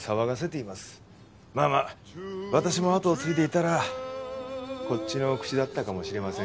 まあまあ私も後を継いでいたらこっちの口だったかもしれません。